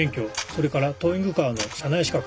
それからトーイングカーの社内資格